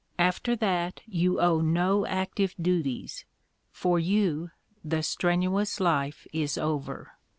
After that you owe no active duties; for you the strenuous life is over.